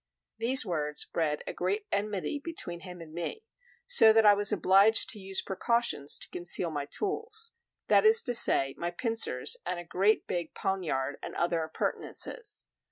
These words bred a great enmity between him and me, so that I was obliged to use precautions to conceal my tools; that is to say, my pincers and a great big poniard and other appurtenances.